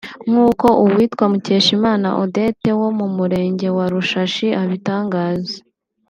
nk’uko uwitwa Mukeshimana Odette wo mu murenge wa Rushashi abitangaza